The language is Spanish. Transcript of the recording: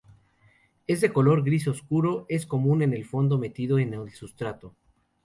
Es de color gris oscuro, es común en el fondo metido en el sustrato.